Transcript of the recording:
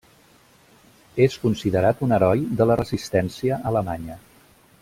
És considerat un heroi de la resistència alemanya.